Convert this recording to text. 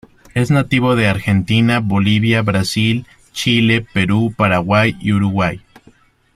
Es nativo de Argentina, Bolivia, Brasil, Chile, Perú, Paraguay y Uruguay.